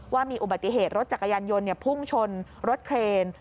ว่ามีอุบัติเหตุรถจักรยานยนต์พุ่งชนรถเครน